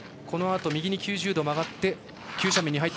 このあと右に９０度曲がって急斜面。